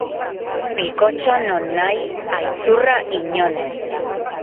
Pikotxa nonahi, aitzurra inon ez.